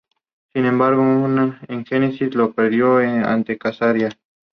E. Cummings, que escribía principalmente en minúsculas.